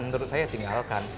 menurut saya tinggalkan